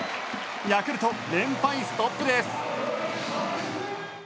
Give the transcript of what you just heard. ヤクルト、連敗ストップです。